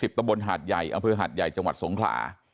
ซอย๒๐ตะบนหาดใหญ่เอาเพื่อหาดใหญ่จังหวัดสงขลา